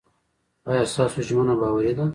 ایا ستاسو ژمنه باوري ده؟